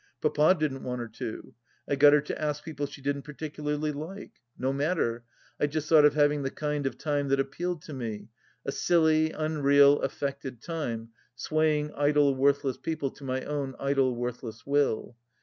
Papa didn't want her to. I got her to ask people she didn't par ticularly like. No matter ; I just thought of having the kind of time that appealed to me — a silly, unreal, affected time, swaying idle, worthless people to my own idle, worthless will.